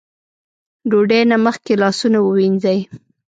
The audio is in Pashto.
ډوډۍ نه مخکې لاسونه ووينځئ ـ